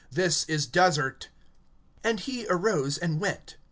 This is desert. (27)And he arose and went.